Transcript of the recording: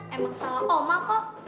emang salah oma kok